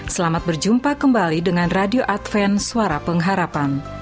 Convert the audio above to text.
selamat berjumpa kembali dengan radio adven suara pengharapan